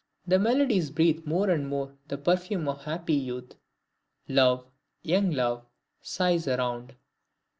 The melodies breathe more and more the perfume of happy youth; love, young love, sighs around.